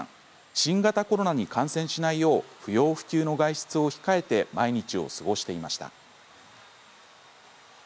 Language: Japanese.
新型コロナに感染しないよう不要不急の外出を控えて毎日を過ごしていました。